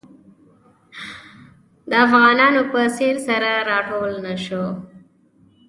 د افغانانو په څېر سره راټول نه شو.